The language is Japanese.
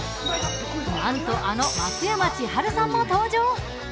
なんと、あの松山千春さんも登場。